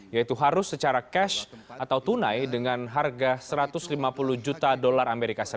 yaitu harus secara cash atau tunai dengan harga satu ratus lima puluh juta dolar as